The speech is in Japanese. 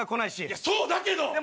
いやそうだけど！